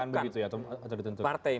yang menggantikan begitu ya atau ditentukan